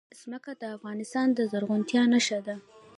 ځمکه د افغانستان د زرغونتیا نښه ده.